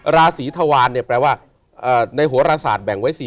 ราศีธวารเนี่ยแปลว่าในโหรศาสตร์แบ่งไว้๔๐